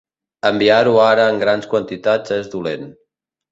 Enviar-ho ara en grans quantitats és dolent.